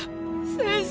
先生！